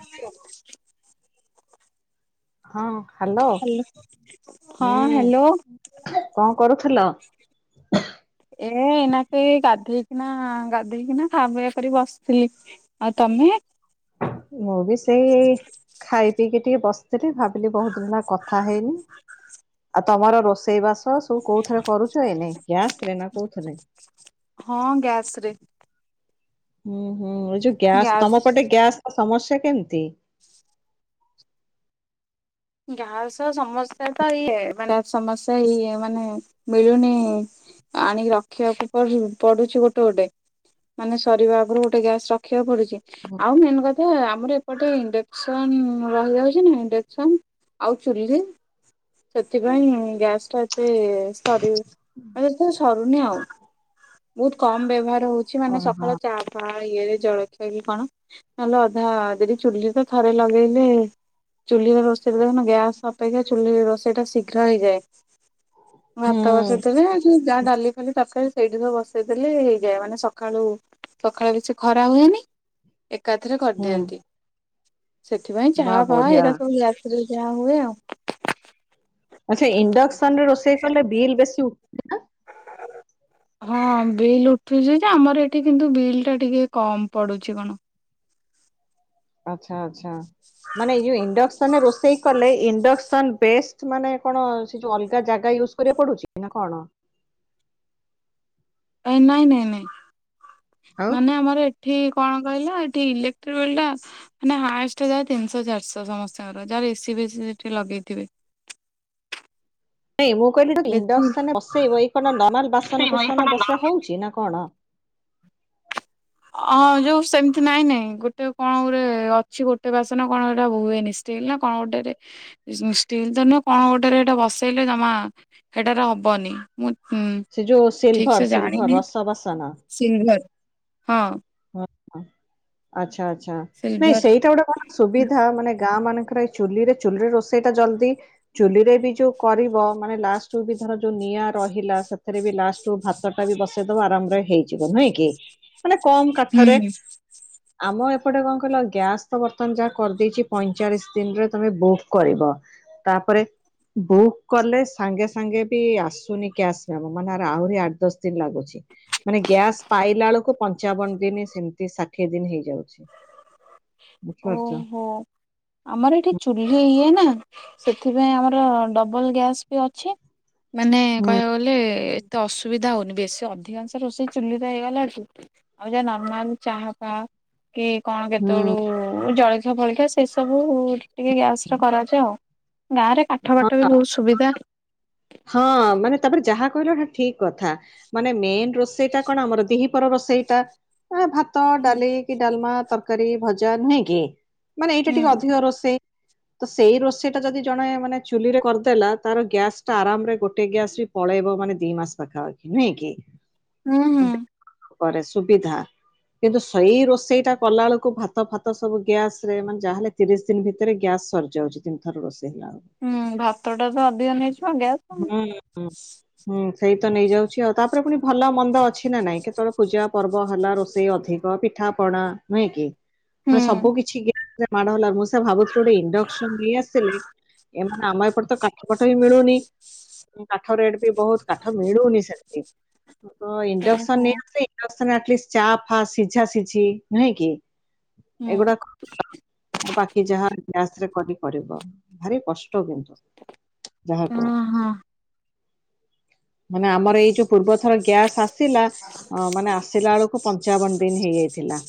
କାଲିର। ହଁ hello hello ହଁ ହୁଁ। ହ୍ୟାଲୋ କଣ କରୁଥିଲ? ଏଇନା କେ ଗାଧେଇକିନା ଗାଧେଇକିନା ଖା ପିଆ କରି ବସିଥିଲି। ଆଉ ତମେ? ମୁଁ ବି ସେଇ ଖାଇ ପିଇକି ଟିକେ ବସିଥିଲି ଭାବିଲି ବହୁତ ଦିନ କଥା ହେଇନି। ଆଉ ତମର ରୋଷେଇବା ତ ସବୁ କୋଉ ଥିରେ କରୁଛ ଏଇନେ ଗ୍ୟାସ ରେ ନା କୋଉଥିରେ? ହଁ ଗ୍ୟାସ ରେ। ହୁଁ ହୁଁ ଏ ଯୋଉ ଗ୍ୟାସ ତମ ପଟେ ଗ୍ୟାସ ର ସମସ୍ୟା କେମିତି? ଗ୍ୟାସ ସମସ୍ୟା ତ ଇଏ ମାନେ ସମସ୍ୟା ଇଏ ମାନେ ମିଳୁନି। ଆଣିକି ରଖିବାକୁ ପଡୁ ପଡୁଛି ଗୋଟେ ଗୋଟେ। ମାନେ ସରିବା ଆଗରୁ ଗୋଟେ ଗ୍ୟାସ୍ ରଖିବାକୁ ପଡୁଛି? ଆଉ ମେନ୍ କଥା ଆମର ଏପଟେ ଇଣ୍ଡକ୍ସନ ରହିଯାଉଛି ନା ଇଣ୍ଡକ୍ସନ। ଆଉ ଚୁଲି ସେଥିପାଇଁ ଗ୍ୟାସ୍ ଟା ଏତେ ସରିି ବେଶୀ ସରୁନି ଆଉ ବହୁତ କମ୍ ବ୍ୟବହାର ହୋଉଛି ମାନେ ଓହୋ ସକାଳ ଚା ବା ଇଏରେ ଜଳଖିଆ କଣ ନହେଲେ ଅଧା ଦିନି ଚୁଲି ତ ଥରେ ଲଗେଇଲି। ଚୁଲିର ରୋଷେଇଟା ଦେଖୁନ ଗ୍ୟାସ୍ ଅପେକ୍ଷା ଚୁଲି ରୋଷେଇ ଟା ଶୀଘ୍ର ହେଇଯାଏ। ହୁଁ ଭାତ ବସେଇଥିଲି। ଯାହା ଡାଲି ଫାଲି ତରକାରୀ ସେଇଠି ସବୁ ବସେଇଦେଲେ ହେଇଯାଏ। ମାନେ ସକାଳୁ ସକାଳେ ବେଶୀ ଖରା ହୁଏନି ଏକାଥରେ ହୁଁ କରିଦିଅନ୍ତି। ସେଥିପାଇଁ ବା ଚାହା ପାହା ବଢିଆ। ଏଇରା ସବୁ ରାତିରେ ଯହା ହୁଏ ଆଉ। ଆଚ୍ଛା ଇଣ୍ଡକ୍ସନ ରେ ରୋଷେଇ କଲେ ବିଲ୍ ବେଶୀ ଉଠେ ନା? ହଁ ବିଲ୍ ଉଠୁଛି ଯେ ଆମର ଏଠି କିନ୍ତୁ ବିଲ୍ ଟା ଟିକେ କମ୍ ପଡୁଛି କଣ। ଆଚ୍ଛା ଆଚ୍ଛା ମାନେ ଏଇ ଯୋଉ ଇଣ୍ଡକ୍ସନ ରେ ରୋଷେଇ କଲେ ଇଣ୍ଡକ୍ସନ ବେଷ୍ ମାନେ କଣ ସେ ଯୋଉ ଅଲଗା ଜାଗା ୟୁଜ କରିବାକୁ ପଡୁଛି ନା କଣ? ଏ ନାଇଁ ନାଇଁ ନାଇଁ ଆଉ? ମାନେ ଆମର ଏଠି କଣ କହିଲ ଏଠି ଇଲେକ୍ଟ୍ରିବିଲ୍ ଟା ମାନେ ହାଏଷ୍ଟ ଯାଏ ତିନିଶହ ଚାରିଶହ ସମସ୍ତଙ୍କର ଯାହାର ଏସିି ବିସିି ସେଠି ଲଗେଇଥିବେ। ନାଇଁ ମୁଁ କହିଲି ବେଶୀ ଇଣ୍ଡସନ ବସେଇବ ଏଇ କଣ ନର୍ମାଲ ବାସନ କୁସନ ବସା ହୋଉଛି ନା କଣ? ଅଁ ଯୋଉ ସେମିତି ନାଇଁ ନାଇଁ ଗୋଟେ କଣ ଗୋଟେ ଅଛି ଗୋଟେ ବାସନ କଣ ଏଇଟା ହୁଏନି। ଷ୍ଟିଲ୍ ନା କଣ ଗୋଟରେ ଷ୍ଟିଲ୍ ତ ନୁହେଁ କଣ ଗୋଟେରେ ଏଇଟା ବସେଇଲେ ଜମା ସେଟାରେ ହବନି। ମୁଁଁ ସେ ଯୋଉ ଠିକ୍ ସିଲଭର ସେ ସିଲଭର ଜାଣିନି ରସ ବାସନ ସିଲଭର ହଁ। ହ ହ ଆଚ୍ଛା ଆଚ୍ଛା ନାଇଁ ସିଲଭର ସେଇଟା ଗୋଟେ କ- ସୁବିଧା ମାନେ ଗାଁ ମାନଙ୍କରେ ଏଇ ଚୁଲିରେ ଚୁଲିରେ ରୋଷେଇ ଟା ଜଲଦି। ଚୁଲିରେ ବି ଯୋଉ କରିବ ମାନେ ଲାଷ୍ଟ ବି ଧର ଯୋଉ ନିଆଁ ରହିଲା ସେଥିରେ ବି ଲାଷ୍ଟ କୁ ଭାତ- ଟା ବି ବସେଇଦବ ଆରାମରେ ହେଇଯିବ ନୁହେଁ କି, ମାନେ କମ କାଠରେ ହୁଁ। ଆମ ଏପଟେ କଣ କହିଲ ଗ୍ୟାସ ତ ବର୍ତ୍ତମାନ ଯାହା କରିଦେଇଛି ପଇଁଚାଳିଶ ଦିନରେ ତମେ ବୁକ୍ କରିବ। ତାପରେ ବୁକ୍ କଲେ ସାଙ୍ଗେ ସାଙ୍ଗେ ବି ଆସୁନି ଗ୍ୟାସ୍ ଆମର ମାନେ ଆହୁରି ଆଠ ଦଶ ଦିନ ଲାଗୁଛି। ମାନେ ଗ୍ୟାସ୍ ପାଇଲା ବେଳକୁ ପଞ୍ଚାବନ ଦିନି ସେମିତି ଷାଠିଏ ଦିନ ହେଇଯାଉଛି। ଓ ବୁଝିପାରୁଛ ହୋ। ଆମର ଏଠି ଚୁଲି ଇଏ ନା ସେଥିପାଇଁ ଆମର ଡବଲ ଗ୍ୟାସ୍ ବି ଅଛି। ମାନେ ହୁଁ କହିବାକୁ ଗଲେ ହେଲେ ଏତେ ଅସୁବିଧା ହଉନି ବେଶୀ ଅଧିକାଂଶ ରୋଷେଇ ଚୁଲିରେ ହେଇଗଲାଣି ଆଉ ଯା ନର୍ମାଲ ଚାହା ଫା କି କଣ ହୁଁ ସେତେବେଳୁ ଜଳଖିଆ ଫଳିଖିଆ ସେ ସବୁ ଟିକେ ଗ୍ୟାସ ରେ କରାଯାଏ ଆଉ ଗାଁରେ କା କାଠ ହଁ ପାଠ ବି ବହୁତ ସୁବିଧା। ହଁ ମାନେ ତାପରେ ଯାହା କହିଲଟା ଠିକ୍ କଥା ମାନେ ମେନ ରୋଷେଇଟା କଣ ଆମର ଦିହିପର ରୋଷେଇ ଟା ଭାତ ଡାଲି କି ଡାଲମା ତରକାରୀ ଭଜା ନୁହେଁ କି ମାନେ ଏଇଟା ହୁଁ ଟିକେ ଅଧିକ ରୋଷେଇ ତ ସେଇ ରୋଷେଇ ଟା ଯଦି ଜଣେ ମାନେ ଚୁଲିରେ କରିଦେଲା ତାର ଗ୍ୟାସ ଟା ଆରାମରେ ଗୋଟ ଗ୍ୟାସ ବି ପଳେଇବ ମାନେ ଦି ମାସ ପାଖାପାଖି ନୁହେଁ କି? ହୁଁ ହୁଁ। ପରେ ସୁବିଧା। କିନ୍ତୁ ସେଇ ରୋଷେଇ ଟା କଲା ବେଳକୁ ଭାତ ଫାତ ସବୁ ଗ୍ୟାସ ରେ ମାନେ ଯାହାହଲେ ତିରିଶ ଦିନ ଭିତରେ ଗ୍ୟାସ୍ ସରିଯାଉଛି ତିନି ଥର ରୋଷେଇ ହେଲା ବେଲକୁ। ହୁଁ ଭାତ ଟା ତ ଅଧିକ ନେଇଯିବ ଗ୍ୟାସ୍। ହୁଁ ହଁ। ହୁଁ ସେଇ ତ ନେଇଯାଉଛି ଆଉ ତାପରେ ପୁଣି ଭଲ ମନ୍ଦ ଅଛି ନା ନାଇଁ କେତେବେଳେ ପୂଜା ପର୍ବ ହେଲା ରୋଷେଇ ଅଧିକ ପି ପିଠା ପଣା ନୁହେଁ କି। ମାନେ ସବୁ କିଛି ଗା ମାଡହେଲା ବେଳକୁ ମୁଁ ସେୟା ଭାବୁଥିଲି ଗୋଟେ ଇଣ୍ଡକସନ୍ ନେଇଆସିଲେ ଏମାନେ ଆମ ଏପଟ ତ କାଠ ଫାଠ ବି ମିଳୁନି କାଠ ରେଟ୍ ବି ବହୁତ କାଠ ମିଳୁନି ସେ ହ ତ ଇଣ୍ଡକ୍ସନ୍ ଓହୋ ନେଇଆସିଲେ ଇଣ୍ଡେକସନ୍ରେ ଆଟଲିଷ୍ଟ୍ ଚା ଫା ସିଝା ସିଝି ନୁହେଁ କି ହୁଁ। ଏଗୁଡା କ ବାକି ଯାହା ଗ୍ୟାସ୍ ରେ କରିପାରିବ ଭାରି କଷ୍ଟ କିନ୍ତୁ। ଯାହା କୁହ, ଓହୋ। ମାନେ ଆମର ଏଇ ଯୋଉ ପୂର୍ବ ଥର ଗ୍ୟାସ୍ ଆସିଲା ମାନେ ଆସିଲା ବେଳକୁ ପଞ୍ଚାବନ ଦିନ ହେଇଯାଇଥିଲା।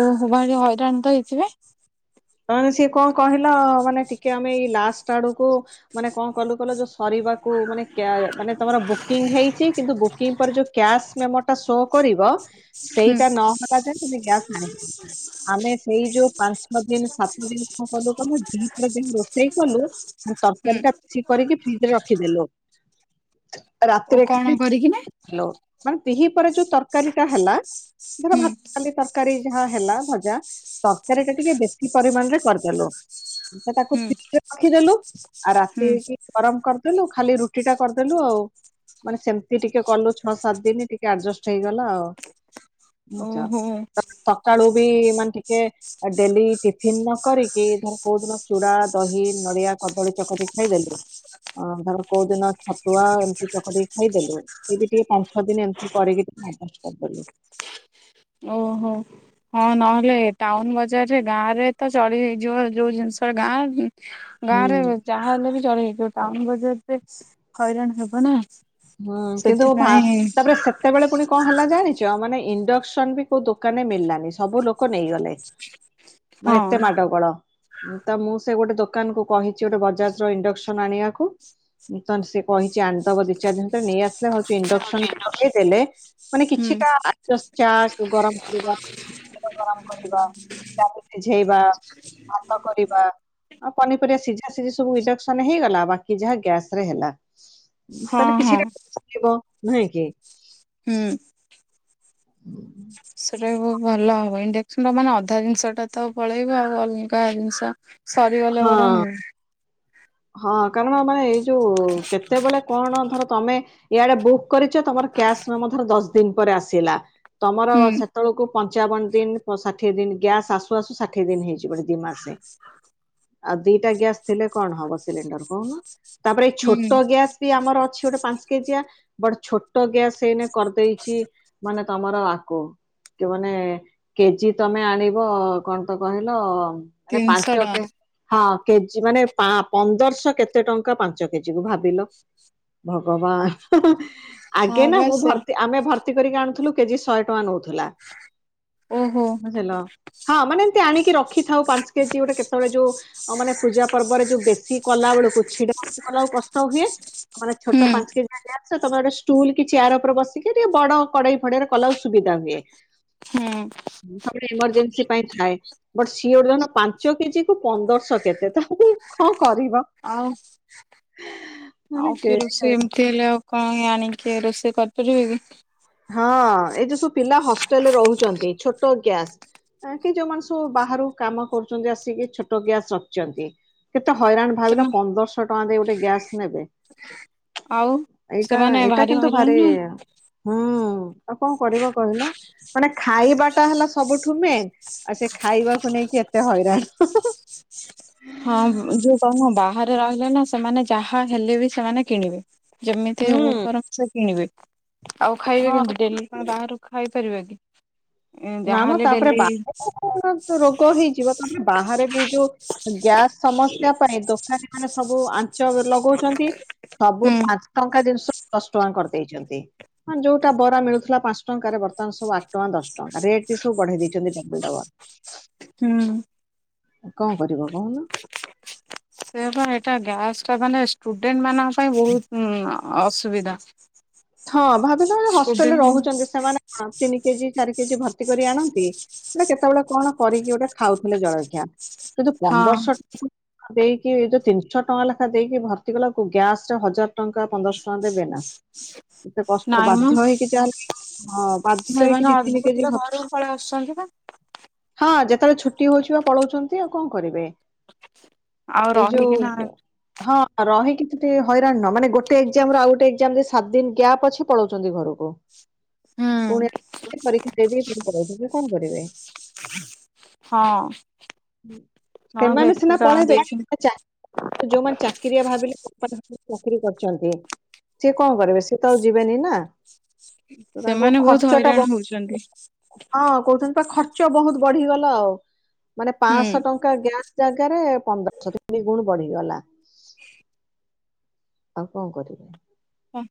ଓ ହୋ ଭାରି ହଇରାଣ ତ ହେଇଥିବେ? ହଁ ସିଏ କଅଁ କହିଲ ମାନେ ଟିକେ ଆମେ ଏଇ ଲାଷ୍ଟ ଆଡକୁ ମାନେ କ କଲୁ କଲ ଯୋଉ ସରିବାକୁ ମାନେ ଗା ମାନେ ତମର ବୁକିଂ ହେଇଛି କିନ୍ତୁ ବୁକିଂ ପରେ ଯୋଉ କ୍ୟାସ୍ ମେମୋ ଟା ଶୋ କରିବ ହୁଁ ସେଇଟା ନହବା ଯାଏ ତମେ ଗ୍ୟାସ୍ ଆଣିବ ଆମେ ସେଇ ଯୋଉ ପାଞ୍ଚ ଛଅ ଦିନ ସାତି ଦିନ କଣ କଲୁ କହିଲ ଦି ଚାରି ଦିନ ରୋଷେଇ କଲୁ ହୁଁ। ତରକାରୀ ଟା କିଛ କରିକି ଫ୍ରିଜ ରେ ରଖିଦେଲୁ ଓ ରାତିରେ କଣ ଖାଲି କରିକି ନା ହଲୋ ମାନେ ଦିହି ପରେ ଯୋଉ ତରକାରୀ ଟା ହେଲା ଧର ହୁଁ ଭାତ ଡାଲି ତରକାର ତରକାରୀ ଯାହା ହେଲା ଭଜା ତରକାରୀ ଟା ଟିକେ ବେଶୀ ପରିମାଣ ରେ କରିଦେଲୁ। ତାକୁ ହୁଁ ଫ୍ରିଜରେ ରଖିଦେଲୁ ଆଉ ହୁଁ ରାତିକି ଗରମ କରିଦେଲୁ ଖାଲି ରୁଟି ଟା କରିଦେଲୁ ଆଉ। ମାନେ ସେମିତି ଟିକେ କଲୁ ଛଅ ସାତ ଦିନ ଟିକେ ଆଡଜଷ୍ଟ ହେଇଗଲା ଆଉ। [unintelligible] ଓହୋ। ସକାଳୁ ବି ମାନେ ଟିକେ ଆ ଡେଲି ଟିଫିନ୍ ନ କରିକି ଧର କୋଉ ଦିନ ଚୂଡ଼ା, ଦହି, ନଡ଼ିଆ କଦଳୀ ଚକଟି ଖାଇଦେଲୁ। ଅ ଧର କୋଉଦିନ ଛତୁଆ ଏମିତି ଚକଟି ଖାଇଦେଲୁ। ସେଇଟା ଟିକେ ପାଞ୍ଚ ଛଅ ଦିନ ଏମିତି କରିକିି ଟିକେ ମ୍ୟାନେଜ୍ କରିଦେଲୁ। ଓହୋ। ହଁ ନହେଲେ ଟାଉନ ବଜାରରେ ଗାଁ ରେ ତ ଚଳି ହେଇଯିବ ଯୋଉ ଜିନିଷ ଗାଁ [unintelligible] ଗାଁ ରେ ହୁଁ ଓ ଯାହା ହେଲେ ବି ଚଳି ହେଇଯିବ ଟାଉନ ବଜାରରେ ହଇରାଣ ହବ ନା। ହୁଁ କିନ୍ତୁ ଭା ସେଥିପାଇଁ ତାପରେ ସେତେବେଳେ ପୁଣି କଣ ହେଲା ଜାଣିଛ୍ ତ ମାନେ ଇଣ୍ଡକ୍ସନ ବି କୋଉ ଦୋକାନରେ ମିଳିଲାନି ସବୁ ଲୋକ ନେଇଗଲେ। ମାନେ ହଁ ଏତେ ମାଡ ଗୋଳ। ତ ମୁଁ ସେ ଗୋଟେ ଦୋକାନକୁୁ କହିଛି ଗୋଟେ ବଜାଜ ର ଇଣ୍ଡକ୍ସନ ଆଣିବାକୁ। ଉଁ ତନ୍ ସେ କହିଛି ଆଣିଦବ [unintelligible] ଯଦି ତ ନେଇ ଆସିଲା ହଉଚି ଇଣ୍ଡକ୍ସନ୍ ଟା ଲଗେଇଦେଲେ ମାନେ ହୁଁ କିଛିଟା ଜସ୍ ଚା ଗରମ କରିବା ପାଣି ଟାକୁ ଗରମ କରି ପିଇବା [unintelligible] ସିଝେଇବା। ଭାତ କରିବା। ପନିପରିବା ସିଝା ସିଝି ସବୁ ଇଣ୍ଡକ୍ସନ ହେଇଗଲା ବାକି ଯାହା ଗ୍ୟାସ ରେ ହେଲା। ହଁ ତାହେଲେ ହଁ କିଛିଟା [inaudible] ନୁହେଁ କି? ହୁଁ। ଉଁ। ସେଟା ବି ବୋହୁତ ଭଲ ହବ ଇଣ୍ଡକ୍ସନ ମାନେ ଅଧା ଜିନିଷ ଟା ତ ପଳେଇବ ଆଉ ଅଲଗା ଜିନିଷ ସରିଗଲେ ହଁ ବରଂ ହଁ କାରଣ ଆମେ ଏଇ ଯୋଉ କେତେବେଳେ କଣ ଧର ତମେ ଇଆଡ଼େ ବୁକ୍ କରିଛ ତମର କ୍ୟାସ୍ [unintelligible] ଧର ଦଶ ଦିନ ପରେ ଆସିଲା। ତମର ସେ ତଳକୁ ପଞ୍ଚାବନ ଦିନ ପ ଷାଠିଏ ଦିନ ଗ୍ୟାସ୍ ଆସୁ ଆସୁ ଷାଠିଏ ଦିନ ହେଇଜୀବଣି ଦିଇ ମାସ୍ ଯାଏଁ। ହ ଆଉ ଦିଟା ଗ୍ୟାସ ଥିଲେ କଣ ହବ ସିଲିଣ୍ଡର କହୁନ ତାପରେ ଏଇ ହୁଁ ଛୋଟ ଗ୍ୟାସ୍ ବି ଆମର ଅଛି ଗୋଟେ ପାଞ୍ଚ କେଜିଆ ବଟ୍ ଛୋଟ ଗ୍ୟାସ ସେ ଏଇନେ କରିଦେଇଛି ମାନେ ତମର ଆକୋ। କି ମାନେ କେଜି ତମେ ଆଣିବ କଣ ତ କହିଲ ମାନେ ତିନିଶହ ପାଞ୍ଚ ଟଙ୍କା କେ ହଁ କେଜି ମାନେ ପାଁ ପନ୍ଦରଶହ କେତେ ଟଙ୍କା ପାଞ୍ଚ କେଜି କୁ ଭାବିଲ। ଭଗବାନ। ହଁ ହଁ ହଁ ଆଗେ ନା ବା ମୁଁ ସେ ଭର୍ତି ଆମେ ଭର୍ତି କରିକି ଆଣୁଥିଲୁ କେଜି ଶହେ ଟଙ୍କା ନଉଥିଲା। ଓହୋ ବୁଝିଲ ହଁ ମାନେ ଏମତି ଆଣିକି ରଖିଥାଉ ପାଞ୍ଚ କେଜି ଗୋଟେ କେତ୍ ଆଉ ଏ ଯୋଉ ଅ ମାନେ ପୂଜା ପର୍ବରେ ଯୋଉ ବେଶୀ କଲା ବେଳକୁ ଛିଡ଼ା ହେଇକି କଲା [unintelligible] କଷ୍ଟ ହୁଏ। ମାନେ [inaudible] ହୁଁ। ତମେ ଗୋଟେ ଷ୍ଟୁଲ କି ଚେୟାର ଉପରେ ବସିକି ଟିକେ ବଡ଼ କଡ଼େଇ ଫଡ଼େଇରେ କଲା [unintelligible] ସୁବିଧା ହୁଏ। ହ ହୁଁ। ମୋ ପାଖରେ ଏମର୍ଜେନ୍ସି ପାଇଁ ଥାଏ ବଟ୍ ସିଏ ଗୋଟେ ପାଞ୍ଚ କେଜି ପନ୍ଦରଶହ କେତେ ତମେ କଣ କରିବ। ଆଉ? ମାନେ ଆଉ କିଏ ରୋଷେଇ କେ ଏମିତି ହେଲେ ଆଉ କାଇଁ ଆଣିକି ରୋଷେଇ କରିପାରିବେ କି। ହଁ ଏ ଯୋଉ ସବୁ ପିଲା ହଷ୍ଟେଲରେ ରହୁଛନ୍ତି ଛୋଟ ଗ୍ୟାସ୍ ଆ କି ଯୋଉମାନେ ସବୁ ବାହାରୁ କାମ କରୁଛନ୍ତି ଆସିକି ଛୋଟ ଗ୍ୟାସ୍ ରଖିଛନ୍ତି। କେତେ ହଇରାଣ ଭାବିଲ ସେମାନେ ପନ୍ଦରଶହ ଟଙ୍କା ଦେଇ ଗୋଟେ ଗ୍ୟାସ୍ ନେବେ। ଆଉ ଏଇଟା ସେମାନେ ଏଇଟା କିନ୍ତୁ ହଇରାଣ ଭାରି ନା। ହୁଁ ଆଉ କଣ କରିବ କହିଲ? ମାନେ ଖାଇବା ଟା ହେଲା ସବୁଠୁ ମେନ୍ ଆଉ ସେ ଖାଇବାକୁ ନେଇକି ଏତେ ହଇରାଣ। ହଁ ହଁ ହଁ। ହଁ ଯୋଉ କଣ ବାହାରେ ରହିଲେ ନା ସେମାନେ ଯାହା ହେଲେ ବି ସେମାନେ କିଣିବେ। ଯେମିତି ହୁଁ ଉପର ସେ କିଣିବେ ଆଉ ଖାଇବେ କେମତି ଡେଲି? ହଁ। ଆପଣ ବାହାରାରୁ ଖାଇ ପାରିବେ କି? ନାମ ଯାହାହେଲେ ତାପରେ ଡେଲି ବାହ ରୋଗ ହେଇଯିବ ତମେ ବାହାରେ ବି ଏଇ ଯୋଉ ଗ୍ୟାସ୍ ସମସ୍ୟା ପରେ ଦୋକାନୀ ମାନେ ସବୁ ଆଞ୍ଚ ଲଗୋଉଚନ୍ତି। ସବୁ ହୁଁ ପାଞ୍ଚ୍ ଟଙ୍କା ଜିନ୍ଷ ଦଶ ଟଙ୍କା କରିଦେଇଛନ୍ତି ହଁ ଯୋଉଟା ବରା ମିଳୁଥିଲା ପାଞ୍ଚ ଟଙ୍କାରେ ବର୍ତ୍ତମାନ ସବୁ ଆଠ ଟଙ୍କା ଦଶ୍ ରେଟ୍ ବି ସୁ ବଢେଇ ଦେଇଚନ୍ତି ଡବଲ୍ ଡବଲ୍। ହୁଁ କଁ କରିବ କୋହୁନ। ସେ ପା ଏଟା ଗ୍ୟାସ ଟା ମାନେ ଷ୍ଟୁଡେଣ୍ଟ୍ ମାନଙ୍କ ପାଇଁ ବୋହୁତ୍ ଅସୁବିଧା। ହ [unintelligible] ହଁ ଭାବିଲ ହଷ୍ଟେଲରେ ଷ୍ଟୁଡେଣ୍ଟ ରହୁଛନ୍ତି ସେମାନେ ତିନି କେଜି ଚାରି କେଜି ଭର୍ତି କରି ଆଣନ୍ତି। ଗୋଟେ କେତେବେଳେ କଣ କରିକି ଗୋଟେ ଖାଉଥିଲେ ଜଳଖିଆ କିନ୍ତୁ ହଁ ପନ୍ଦରଶହ ଟଙ୍କା ଦେଇକି ଏ ଯୋଉ ତିନିଶହ ଟଙ୍କା ଲେଖା ଦେଇକି ଭର୍ତ୍ତି କଲା ଗ୍ୟାସ୍ ହଜାର୍ ଟଙ୍କା ପନ୍ଦର୍ ଶ ଟଙ୍କା ଦେବେ ନା। ହ [unintelligible] ଏତେ କଷ୍ଟ ବାଧ୍ୟ ହେଇକି ଚା ହଁ ବାଧ୍ୟ ହେଇକି ସେମାନେ ଦି ତୀନି ଅଧା କେଜି ପିଲା ହ ଘରକୁ ପଳେଇ ଆସୁଛନ୍ତି ବା ହଁ ଯେତେବେଳେ ଛୁଟି ହୋଉଛି ପା ପଳୋଉଛନ୍ତି ଆଉ କଣ କରିବେ। ଆଉ ଏଇ ରହିକିନା ଯୋଉ ହଁ ରହିକିଛି ହଇରାଣ ନୁ ମାନେ ଗୋଟେ ଏକ୍ଜାମ ଆଉ ଗୋଟେ ଏକ୍ଜାମ ସାତ୍ ଦିନ୍ ଗ୍ୟାପ୍ ଅଛି ପଳୋଉଚନ୍ତି ଘରକୁ। ହୁଁ। ପୁଣି ପରୀକ୍ଷା ଦେଇଦେଇ ପୁଣି ଏବେ ମୁଁ କଣ କରିବି। ହଁ। ନହେଲେ ସେମାନେ ଏତେ ସିନା ଟଙ୍କା ପଳେଇବେ ଦେଇକି ଯୋଉମାନେ ଚା ଯୋଉମାନେ ଚା ଚାକିରିଆ ଭାବିଲୁ‌ ବାପା ତାଙ୍କର ଚାକିରି କରିଚନ୍ତି। କଣ କରିବେ ସିଏ ତ ଆଉ ଯିବେନି ନା ତ ତାଙ୍କୁ ସେମାନେ ବହୁତ ଖର୍ଚ୍ଚ ଟା ହଇରାଣ ବ ହଉଛନ୍ତି। ହଁ କୋହୁଚନ୍ତି ଖର୍ଚ୍ଚ ବହୁତ୍ ବଢିଗଲା ଆଉ ମାନେ ପାଂଶହ ଟ ହୁଁ ଗ୍ୟାସ୍ ଜାଗାରେ ପନ୍ଦରଶହ ତିନି ଗୁଣ୍ ବଢିଗଲା। ଆଉ କଁ କରିବି? ହଁ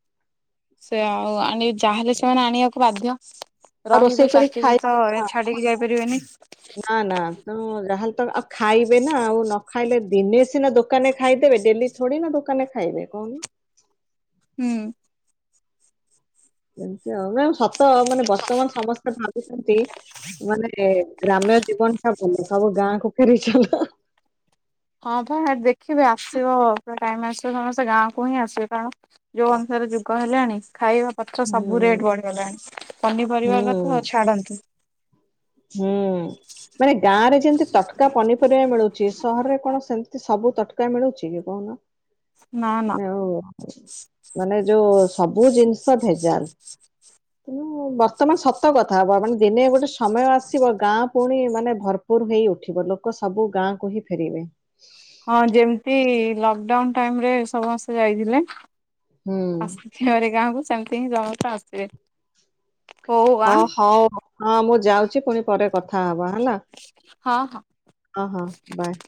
ସେ ଆଉ ଆଣି ଯାହେଲେ ସେମାନେ ଆଣିବାକୁ ବାଧ୍ୟ। ଆଉ ରହିବେ ରୋଷେଇ କରି ଖାଇ ଚାକିରି ତ ଛାଡିକି ଯାଇପାରିବେନି। ନାଁ ନାଁ। ହଁ ଯାହାହେଲେ ତ ଆଉ ଖାଇବେ ନା ଆଉ ନ ଖାଇଲେ ଦିନେ ସିନା ଦୋକାନ୍ ରେ ଖାଇଦେବେ ଡେଲି ଥୋଡୀ ନା ଦୋକାନରେ ଖାଇବେ କୋହୁନୁ। ହୁଁ। ଏମିତି ଆଉତ ନା ସ ତ ମାନେ ବର୍ତ୍ତମାନ୍ ସମସ୍ତେ ଭାବୁଛନ୍ତି ମାନେ ଗ୍ରାମ୍ୟ ଜୀବନ୍ ଦୋ ସବୁ ଗାଁକୁ ଫେରିଚାଲ। ହଁ ପା ଦେଖିବେ ଆସିବ ପୁରା ଟାଇମ ଆସିବ ସମସ୍ତେ ଗାଁକୁ ହିଁ ଆସିବେ କାରଣ ଯୋଉ ଅନୁସାରେ ଯୁଗ ହେଲାଣି ଖାଇବା ଗଛ ହୁଁ ସବୁ ରେଟ୍ ବଢିଗଲାଣି ପନିପରିବା କଥା ହୁଁ ତ ଛାଡନ୍ତୁ। ହୁଁ। ମାନେ ଗାଁ ରେ ଯେମିତି ତଟକା ପନିପରିବା ମିଳୁଛି ସହରରେ କଣ ସେମିତି ସବୁ ତଟ୍ କା ମିଳୁଚି କି କୋହୁନ ନା ନା ମାନେ ଆଉ ମାନେ ଯୋଉ ସବୁ ଜିନିଷ ଭେଜାଲ୍। ତେଣୁ ବର୍ତ୍ତମାନ ସତ କଥା ଆପଣମାନେ ଦେନେ ଗୋଟେ ସମୟ ଆସିବ ଗାଁ ପୁଣି ମାନେ ଭରପୁର ହେଇ ଉଠିବ ଲୋକ ସବୁ ଗାଁକୁ ହିଁ ଫେରିବେ। ହଁ ଯେମିତି ଲକ୍ଡାଉନ୍ ଟାଇମ୍ ରେ ସମସ୍ତେ ଯାଇଥିଲେ ହୁଁ ଆସି ଥିଅରେ ଗାଁକୁ ସେମ୍ତି ହିଁ ସମସ୍ତେ ଆସିବେ। ହଉ ହଁ ଆଁ ହୋଉ ହଁ ମୁଁ ଯାଉଚି ପୁଣି ପରେ କଥା ହବା ହେଲା। ହଁ ହଁ। ହ ହଁ ବାଏ।